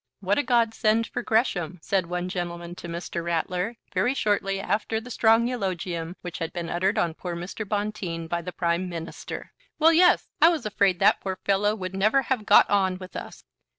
"What a godsend for Gresham," said one gentleman to Mr. Ratler very shortly after the strong eulogium which had been uttered on poor Mr. Bonteen by the Prime Minister. "Well, yes; I was afraid that the poor fellow would never have got on with us."